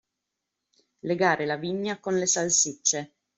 Legare la vigna con le salsicce.